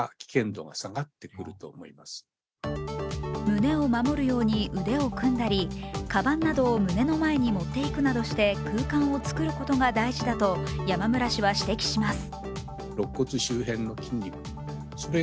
胸を守るように腕を組んだりかばんなどを胸の前に持っていくなどして空間を作ることが大事だと山村氏は指摘します。